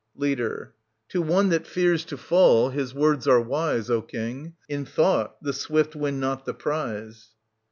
Leader. To one that fears to fall his words are wise, O King ; in thought the swift win not the prize.